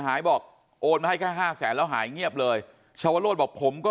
หายบอกโอนมาให้แค่ห้าแสนแล้วหายเงียบเลยชาวโรธบอกผมก็